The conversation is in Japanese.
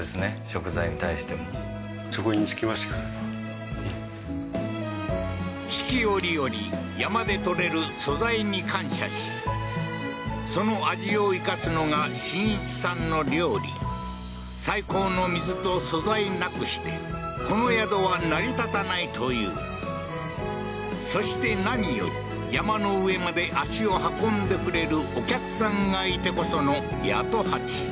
食材に対しても四季折々山で採れる素材に感謝しその味を生かすのが心一さんの料理最高の水と素材なくしてこの宿は成り立たないというそして何より山の上まで足を運んでくれるお客さんがいてこその八十八